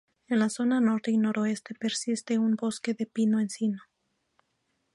En la zona norte y noroeste persiste un bosque de pino-encino.